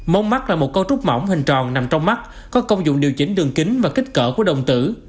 mông mắt là một cấu trúc mỏng hình tròn nằm trong mắt có công dụng điều chỉnh đường kính và kích cỡ của đồng tử